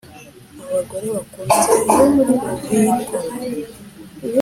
abagore bakunze kubikora.